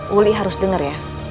wuli harus denger ya